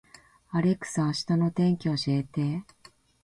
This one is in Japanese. アレクサ、明日の天気を教えて